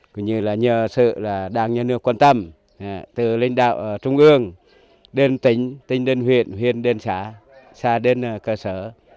cũng như là nhờ sự đảng nhân nước quan tâm từ linh đạo trung ương đến tỉnh tỉnh đến huyện huyện đến xã xã đến cơ sở